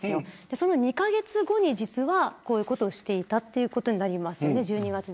その２カ月後に実はこういうことをしていたということになります。